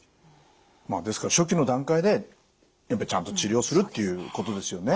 ですから初期の段階でちゃんと治療するということですよね。